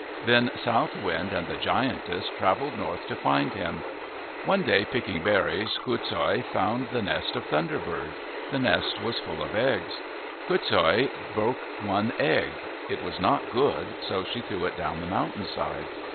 Then South Wind and the giantess travelled north to find him. One day, picking berries, Quoots hooi 89 MYTHS AND LEGENDS found the nest of Thunder Bird. The nest was full of eggs. Quoots hooi broke one egg. It was not good, so she threw it down the mountain side.